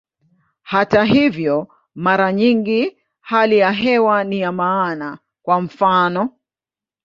Hata hivyo, mara nyingi hali ya hewa ni ya maana, kwa mfano.